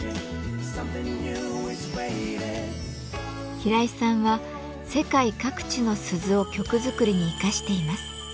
平井さんは世界各地の鈴を曲作りに生かしています。